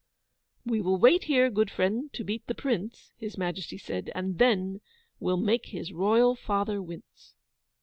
'We will wait here, good friend, to beat the Prince,' His Majesty said, 'and THEN will make his royal father wince.